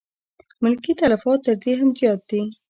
ملکي تلفات تر دې هم زیات دي.